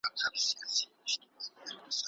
که علمي مواد وي نو راتلونکی نه خرابیږي.